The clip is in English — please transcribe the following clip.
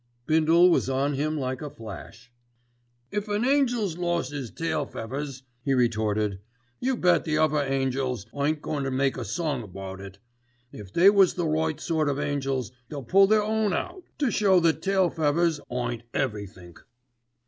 Bindle was on him like a flash. "If an angel's lost 'is tail feathers," he retorted, "you bet the other angels ain't goin' to make a song about it. If they was the right sort of angels they'd pull their own out, to show that tail feathers ain't everythink."